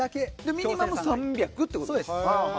ミニマム３００ってことですか。